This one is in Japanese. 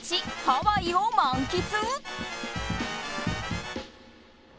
ハワイを満喫？